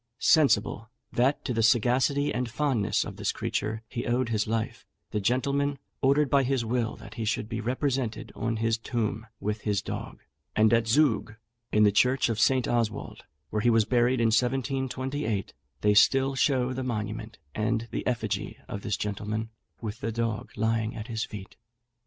Sensible that to the sagacity and fondness of this creature he owed his life, the gentleman ordered by his will that he should be represented on his tomb with his dog; and at Zug, in the church of St. Oswald, where he was buried in 1728, they still show the monument and the effigy of this gentleman, with the dog lying at his feet.